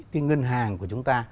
cái ngân hàng của chúng ta